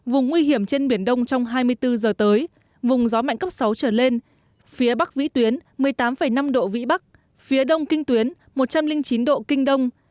vùng nguy hiểm trên biển đông trong hai mươi bốn giờ tới vùng gió mạnh cấp sáu trở lên phía bắc vĩ tuyến một mươi tám năm độ vĩ bắc phía đông kinh tuyến một trăm linh chín độ kinh đông